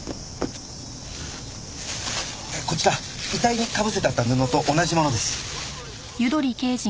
こちら遺体にかぶせてあった布と同じものです。